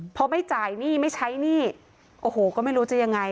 พอไม่จ่ายหนี้ไม่ใช้หนี้โอ้โหก็ไม่รู้จะยังไง